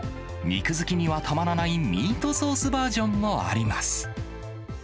肉好きにはたまらないミートソースバージョンもあります。